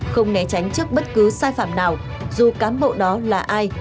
không né tránh trước bất cứ sai phạm nào dù cán bộ đó là ai